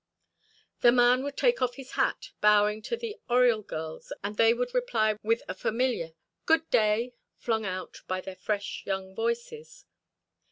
The man would take off his hat, bowing to the Oriol girls, and they would reply with a familiar, "Good day," flung out by their fresh young voices.